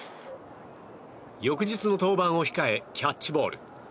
翌日の登板を控えキャッチボール。